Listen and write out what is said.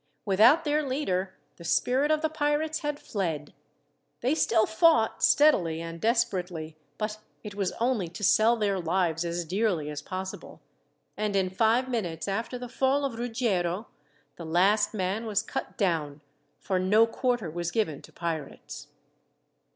Without their leader, the spirit of the pirates had fled. They still fought, steadily and desperately, but it was only to sell their lives as dearly as possible; and in five minutes after the fall of Ruggiero the last man was cut down, for no quarter was given to pirates.